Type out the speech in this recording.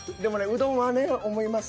うどんはね思います。